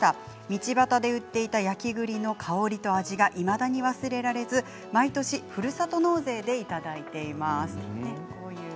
道端で売っていた焼き栗の香りと味がいまだに忘れられず毎年ふるさと納税でいただいています。